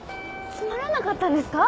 つまらなかったんですか！？